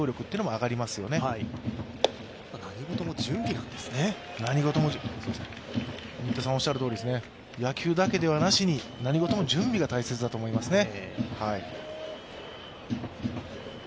新タさん、おっしゃるとおり野球だけでなしに、何事も準備が大切ですね。